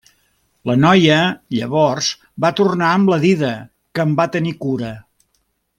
La noia, llavors, va tornar amb la dida, que en va tenir cura.